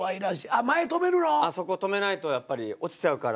あっそこ留めないとやっぱり落ちちゃうからね。